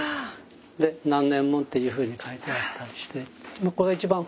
で「何年もん」っていうふうに書いてあったりして。